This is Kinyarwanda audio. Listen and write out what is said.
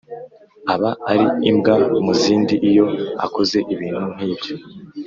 Aba ari imbwa mu zindi iyo akoze ibintu nkibyo